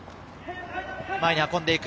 前に運んでいく。